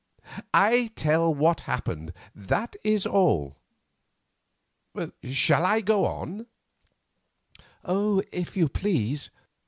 I tell what happened, that is all. Shall I go on?" "If you please."